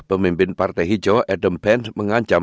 pemimpin partai hijau adam band mengancam